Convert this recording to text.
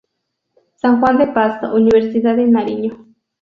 San Juan de Pasto: Universidad de Nariño.